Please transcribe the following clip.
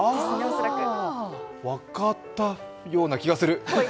分かったような気がする。